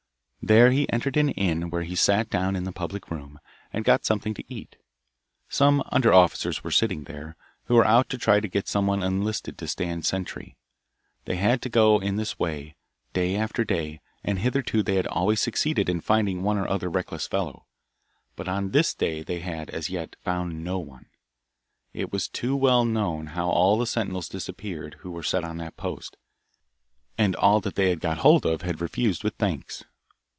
There he entered an inn where he sat down in the public room, and got something to eat. Some under officers were sitting there, who were out to try to get some one enlisted to stand sentry. They had to go in this way, day after day, and hitherto they had always succeeded in finding one or other reckless fellow. But on this day they had, as yet, found no one. It was too well known how all the sentinels disappeared, who were set on that post, and all that they had got hold of had refused with thanks.